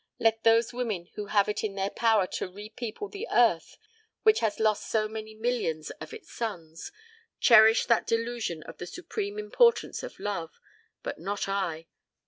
Let those women who have it in their power to repeople the earth which has lost so many millions of its sons, cherish that delusion of the supreme importance of love; but not I!